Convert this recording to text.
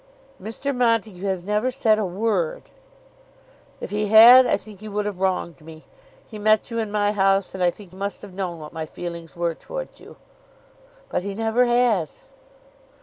"Mr. Montague has never said a word." "If he had, I think he would have wronged me. He met you in my house, and I think must have known what my feelings were towards you." "But he never has."